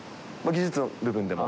技術の部分でも。